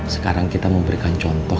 sekarang kita memberikan contoh